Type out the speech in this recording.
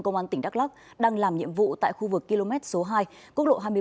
công an tỉnh đắk lắc đang làm nhiệm vụ tại khu vực km số hai quốc lộ hai mươi bảy